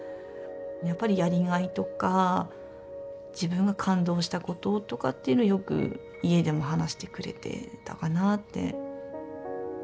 やっぱりやりがいとか自分が感動したこととかっていうのをよく家でも話してくれていたかなって。